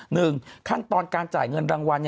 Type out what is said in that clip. หนึ่งขั้นตอนการจ่ายเงินรางวัล